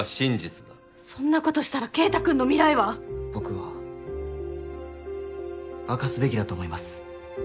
そんなことしたら慧太くんの未来は僕は明かすべきだと思います